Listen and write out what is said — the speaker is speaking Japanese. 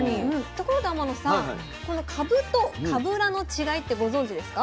ところで天野さんこのかぶとかぶらの違いってご存じですか？